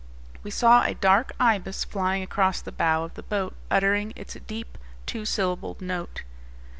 We saw a dark ibis flying across the bow of the boat, uttering his deep, two syllabled note.